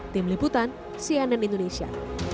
tim liputan cnn indonesia